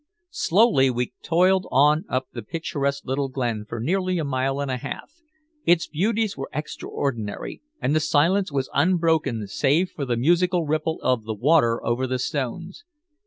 Slowly we toiled on up the picturesque little glen for nearly a mile and a half. Its beauties were extraordinary, and the silence was unbroken save for the musical ripple of the water over the stones.